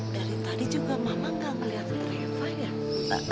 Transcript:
dari tadi juga mama gak kelihatan reva ya